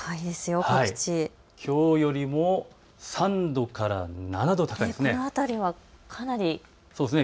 きょうよりも３度から７度高いんです。